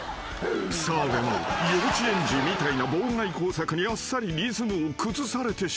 ［澤部の幼稚園児みたいな妨害工作にあっさりリズムを崩されてしまった］